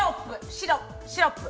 シロップ。